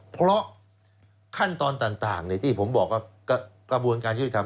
เพราะขั้นตอนต่างที่ผมบอกว่ากระบวนการยุติธรรม